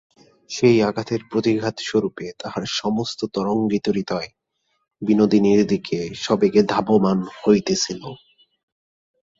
সেই আঘাতের প্রতিঘাত স্বরূপে তাহার সমস্ত তরঙ্গিত হৃদয় বিনোদিনীর দিকে সবেগে ধাবমান হইতেছিল।